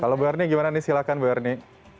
kalau bu erdi gimana nih silahkan bu erdi